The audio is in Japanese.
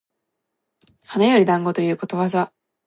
花より団子ということわざ